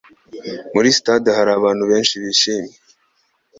Muri stade hari abantu benshi bishimye.